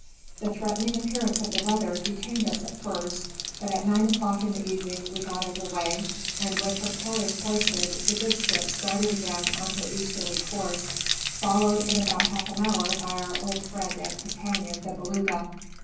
The threatening appearance of the weather detained us at first, but at 9 o'clock in the evening we got under way, and with her colors hoisted the good ship started again on her easterly course, followed in about half an hour by our old friend and companion, the Beluga.